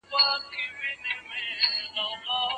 موږ باید له رنځه خلاص سو.